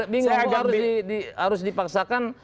bingung kok harus dipaksakan